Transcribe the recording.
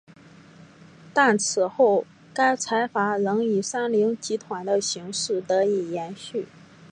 但此后该财阀仍以三菱集团的形式得以延续。